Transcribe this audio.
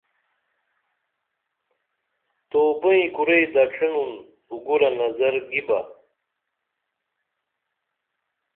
تو بئیں کُرئی دڇھینُن اوگورہ نظر گی بہ